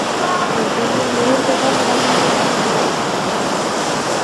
Urtegien neurketan erabili ohi den neurria da.